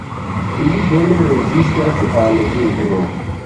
Ili bone rezistas al vintro.